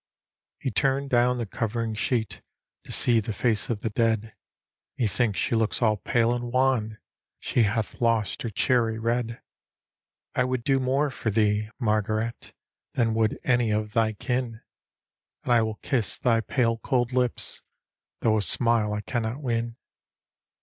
He turned down the covering sheet^ To see the face of the dead; " Methinks she looks all pale and wan ; She hath lost her cherry red. " I would do more for thee, Margaret, Than would any of thy kin. And I will kiss thy pale cold lips, Though a smile I camiot win."